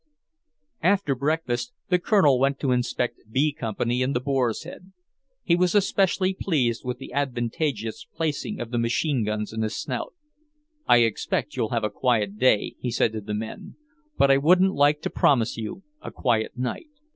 After breakfast the Colonel went to inspect B Company in the Boar's Head. He was especially pleased with the advantageous placing of the machine guns in the Snout. "I expect you'll have a quiet day," he said to the men, "but I wouldn't like to promise you a quiet night.